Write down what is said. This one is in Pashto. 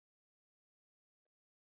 افغانستان د رسوب له پلوه متنوع دی.